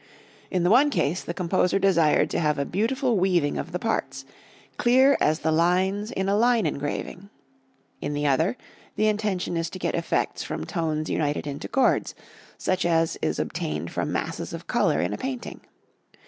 In the one case the composer desired to have a beautiful weaving of the parts clear as the lines in a line engraving. In the other, the intention is to get effects from tones united into chords, such as is obtained from masses of color in a painting.